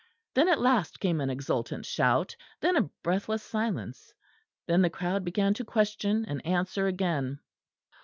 Then at last came an exultant shout; then a breathless silence; then the crowd began to question and answer again.